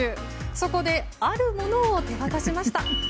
そこであるものを手渡しました。